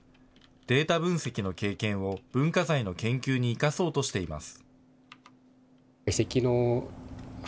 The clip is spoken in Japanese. データ分析の経験を文化財の研究に生かそうとしています。